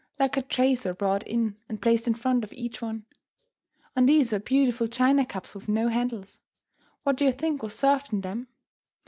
Lacquered trays were brought in and placed in front of each one. On these were beautiful china cups with no handles. What do you think was served in them?